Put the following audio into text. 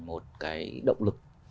một cái động lực